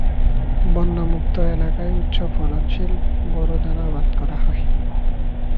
বন্যামুক্ত এলাকায় উচ্চ ফলনশীল বোরো ধান আবাদ করা হয়।